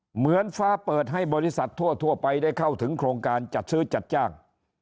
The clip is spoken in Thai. เหมือนฟ้าเปิดให้บริษัททั่วไปได้เข้าถึงโครงการจัดซื้อจัดจ้าง